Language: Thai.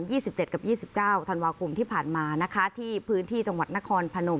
สิบเจ็ดกับยี่สิบเก้าธันวาคมที่ผ่านมานะคะที่พื้นที่จังหวัดนครพนม